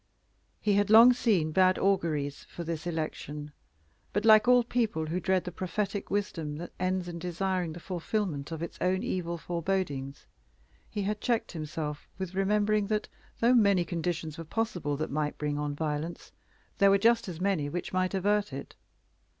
He had long seen bad auguries for this election, but, like all people who dread the prophetic wisdom that ends in desiring the fulfillment of its own evil forebodings, he had checked himself with remembering that, though many conditions were possible which might bring on violence, there were just as many which might avert it.